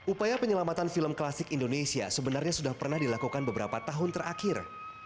upaya penyelamatan film klasik indonesia sebenarnya sudah pernah dilakukan beberapa tahun terakhir